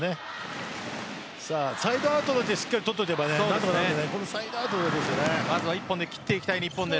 サイドアウトだけしっかり取っておけば何とかなるので。